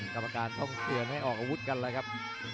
กรรมการต้องเตือนให้ออกอาวุธกันแล้วครับ